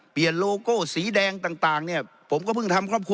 เปลี่ยนโลโก้สีแดงต่างต่างเนี่ยผมก็เพิ่งทำครอบคล์